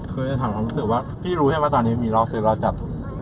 เคยถามความรู้สึกว่าพี่รู้ใช่ไหมตอนนี้มีรอซื้อรอจับ